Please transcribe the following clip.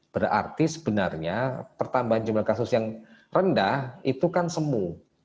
berarti sebenarnya pertambahan jumlah kasus yang rendah itu kan semu